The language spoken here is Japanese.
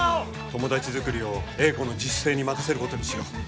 友達作りを英子の自主性に任せることにしよう。